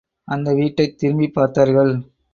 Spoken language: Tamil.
அந்த வீட்டைத் திரும்பிப் பார்த்தார்கள்.